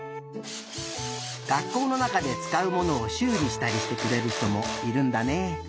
学校のなかでつかうものをしゅうりしたりしてくれるひともいるんだね。